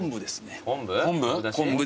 昆布？